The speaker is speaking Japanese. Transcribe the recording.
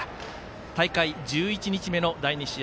大会１１日目の第２試合。